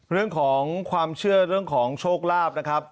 เรื่องของความเชื่อเรื่องของโชคลาภนะครับ